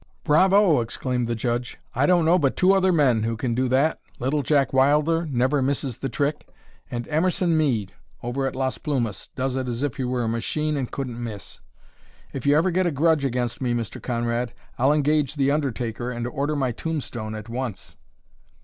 "Bravo!" exclaimed the judge. "I don't know but two other men who can do that. Little Jack Wilder never misses the trick, and Emerson Mead, over at Las Plumas, does it as if he were a machine and couldn't miss. If you ever get a grudge against me, Mr. Conrad, I'll engage the undertaker and order my tombstone at once!"